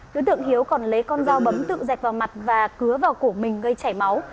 đối tượng hiếu còn lấy con dao bấm tự dệt vào mặt và cứa vào cổ mình gây chảy máu